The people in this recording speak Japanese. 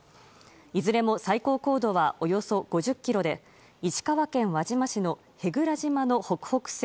いずれも最高高度はおよそ５０ｋｍで石川県輪島市の舳倉島の北北西